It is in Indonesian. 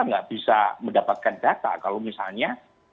nggak bisa mendapatkan data kalau misalnya